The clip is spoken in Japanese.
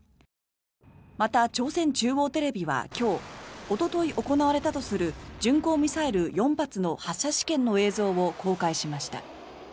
また、朝鮮中央テレビは今日おととい行われたとする巡航ミサイル４発の発射試験の映像を公開しました。